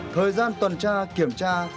thời gian tuần tra kiểm tra